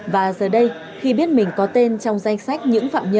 và giờ đây khi biết mình có tên trong danh sách những phạm nhân